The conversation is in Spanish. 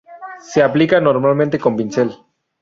Se aplica normalmente con pincel.